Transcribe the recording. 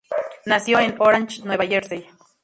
Nació en Orange, Nueva Jersey.